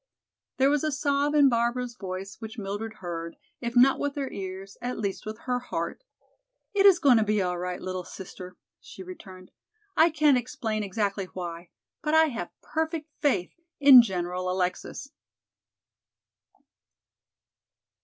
There was a sob in Barbara's voice which Mildred heard, if not with her ears, at least with her heart. "It is going to be all right, little sister," she returned. "I can't explain exactly why, but I have perfect faith in General Alexis."